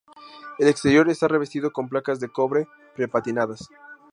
El exterior está revestido con placas de cobre pre-patinadas.